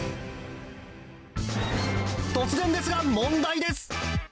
突然ですが、問題です。